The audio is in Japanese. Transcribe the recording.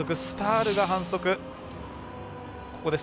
スタールが反則。